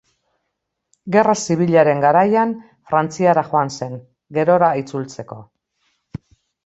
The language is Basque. Gerra Zibilaren garaian, Frantziara joan zen, gerora itzultzeko.